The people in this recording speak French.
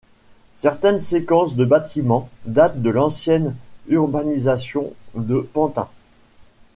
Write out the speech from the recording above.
Certaines séquences de bâtiments datent de l'ancienne urbanisation de Pantin.